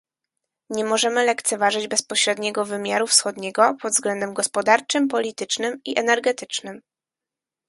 Nie możemy lekceważyć bezpośredniego wymiaru wschodniego pod względem gospodarczym, politycznym i energetycznym